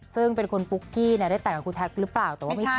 ซึ่งเป็นคุณปุ๊กกี้ได้แต่งของคุณแท็กหรือเปล่า